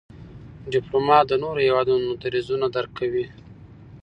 ډيپلومات د نورو هېوادونو دریځونه درک کوي.